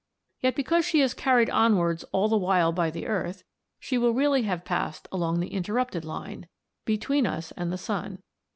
Yet because she is carried onwards all the while by the earth, she will really have passed along the interrupted line between us and the sun.